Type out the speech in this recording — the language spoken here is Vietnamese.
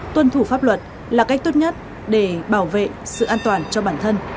tuân thủ pháp luật là cách tốt nhất để bảo vệ sự an toàn cho bản thân